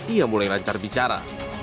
ia mulai lancar bicara